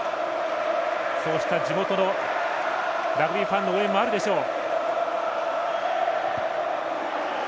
そうした地元のラグビーファンの応援もあるでしょう。